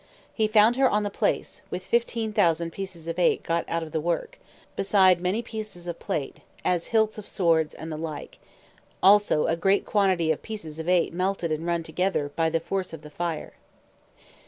He found her on the place, with 15,000 pieces of eight got out of the work, beside many pieces of plate, as hilts of swords, and the like; also a great quantity of pieces of eight melted and run together, by the force of the fire.